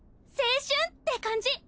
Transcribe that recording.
青春って感じ！